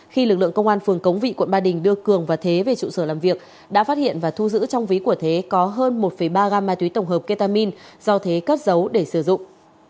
khi lực lượng công an phường cống vị quận ba đình đưa cường và thế về trụ sở làm việc đã phát hiện và thu giữ trong ví của thế có hơn một ba gam ma túy tổng hợp ketamin do thế cất giấu để sử dụng